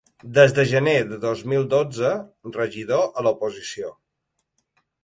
Des de gener de dos mil dotze regidor a l’oposició.